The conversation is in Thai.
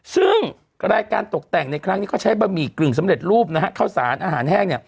ซึ่งรายการตกแต่งในครั้งนี้เขาใช้บะหมี่กึ่งสำเร็จรูปนะฮะข้าวสารอาหารแห้ง